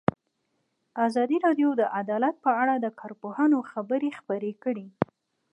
ازادي راډیو د عدالت په اړه د کارپوهانو خبرې خپرې کړي.